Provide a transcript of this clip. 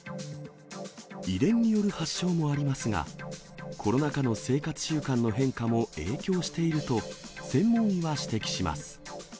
遺伝による発症もありますが、コロナ禍の生活習慣の変化も影響していると、専門医は指摘します。